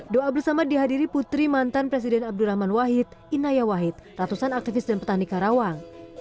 doa bersama dihadiri putri mantan presiden abdurrahman wahid inaya wahid ratusan aktivis dan petani karawang